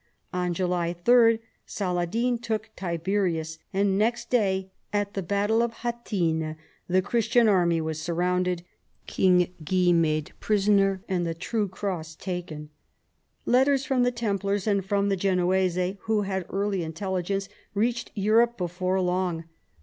On July 3 Saladin took Tiberias, and next day, at the battle of Hattin, the Christian army was surrounded, King Guy made prisoner, and the true cross taken. Letters from the Templars and from the Genoese, who had early intelligence, reached Europe before long.